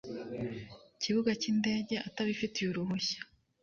kibuga cy indege atabifitiye uruhushya